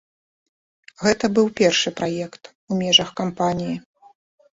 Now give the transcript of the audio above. Гэта быў першы праект у межах кампаніі.